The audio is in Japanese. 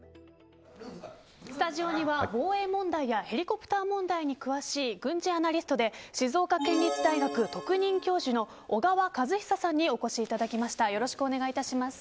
スタジオには、防衛問題やヘリコプター問題に詳しい軍事アナリストで静岡県立大学特任教授の小川和久さんにお越しいただきました。